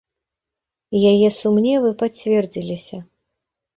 І яе сумневы пацвердзіліся.